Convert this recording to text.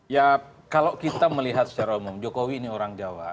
ya kalau kita melihat secara umum jokowi ini orang jawa